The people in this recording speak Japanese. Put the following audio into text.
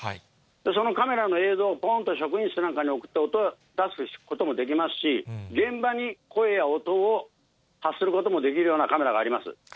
そのカメラの映像を、ぽんと職員室に送って、出すこともできますし、現場に声や音を発することもできるようなカメラがあります。